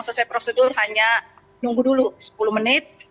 sesuai prosedur hanya nunggu dulu sepuluh menit